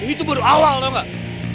ini tuh baru awal tau gak